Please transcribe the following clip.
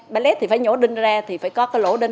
pallet thì phải nhổ đinh ra thì phải có cái lỗ đinh